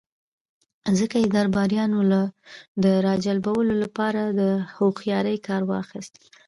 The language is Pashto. ځکه يې د درباريانو د را جلبولو له پاره له هوښياری کار واخيست.